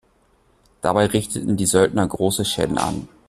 Dabei richteten die Söldner große Schäden an.